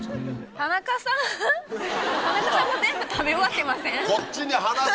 田中さんも全部食べ終わってません？